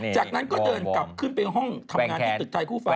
จากนั้นก็เดินกลับขึ้นไปห้องทำงานที่ตึกไทยคู่ฟ้า